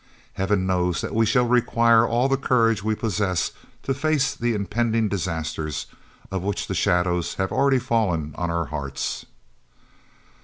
Heaven knows that we shall require all the courage we possess to face the impending disasters, of which the shadows have already fallen on our hearts.